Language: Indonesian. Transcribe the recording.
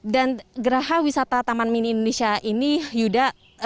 dan geraha wisata taman mini indonesia ini yuda